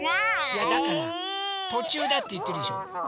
いやだからとちゅうだっていってるじゃん。